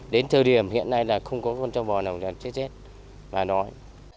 đến thời điểm hiện nay là không có con trồng bò nào là chết xét bà nói